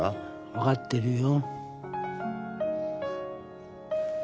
わかってるよ。